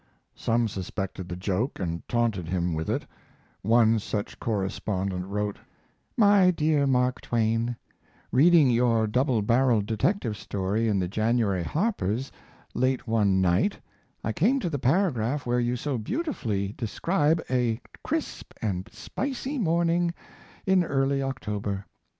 Some suspected the joke and taunted him with it; one such correspondent wrote: MY DEAR MARK TWAIN, Reading your "Double Barrelled Detective Story" in the January Harper's late one night I came to the paragraph where you so beautifully describe "a crisp and spicy morning in early October."